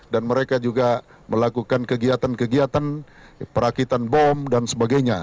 dan mereka juga melakukan kegiatan kegiatan perakitan bom dan sebagainya